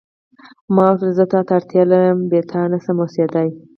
ما ورته وویل: زه تا ته اړتیا لرم، بې تا نه شم اوسېدای.